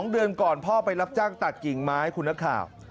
๒เดือนก่อนพ่อไปรับจ้างตัดกิ่งไม้คุณนักข่าว